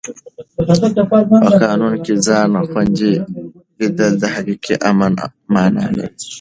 په قانون کې ځان خوندي لیدل د حقیقي امن مانا لري.